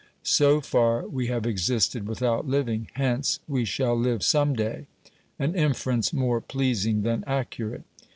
So far we have existed without living ; hence we shall live some day — an inference more pleasing than accurate.